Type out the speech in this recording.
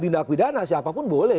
tindak pidana siapapun boleh